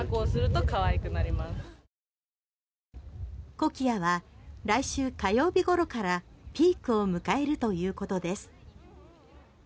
コキアは来週火曜日ごろからピークを迎えるということです。